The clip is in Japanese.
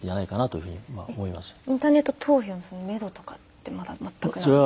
インターネット投票のめどとかってまだ全くないんですか？